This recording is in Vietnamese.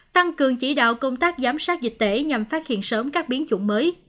tăng cường chỉ đạo công tác giám sát dịch tễ nhằm phát hiện sớm các biến chủng mới